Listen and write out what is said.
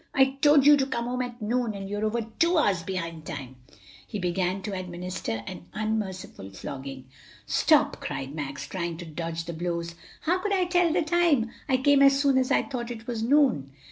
I told you to come home at noon, and you're over two hours behind time!" began to administer an unmerciful flogging. "Stop!" cried Max, trying to dodge the blows. "How could I tell the time? I came as soon as I thought it was noon."